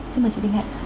xin mời chị đinh hạnh